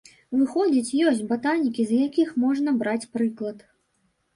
Выходзіць, ёсць батанікі, з якіх можна браць прыклад.